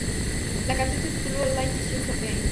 La canción se tituló "Life is Just a Game".